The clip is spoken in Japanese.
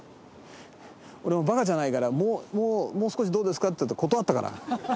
俺もバカじゃないからもう少しどうですかって断ったから。